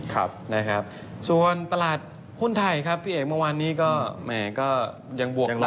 ครับนะครับส่วนตลาดหุ้นไทยครับพี่เอกเมื่อวานนี้ก็แหมก็ยังบวกอย่างน้อย